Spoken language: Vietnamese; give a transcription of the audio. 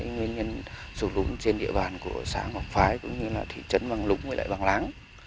nguyên nhân sụt lún trên địa bàn của xã ngọc phái cũng như là thị trấn bằng lũng và lại bằng lãng